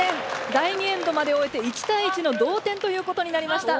第２エンドまで終えて１対１の同点ということになりました。